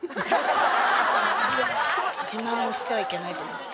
自慢してはいけないと思って。